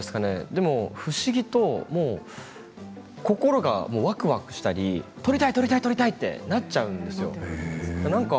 でも不思議と心がわくわくしたり撮りたい撮りたいってなっちゃうんですよ。